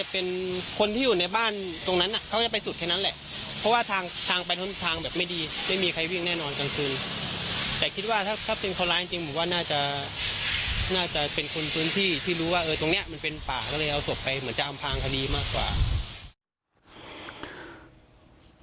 เป็นป่าก็เลยเอาศพไปเหมือนจ้ามพรางคณีมากกว่า